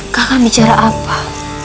kaka bicara abah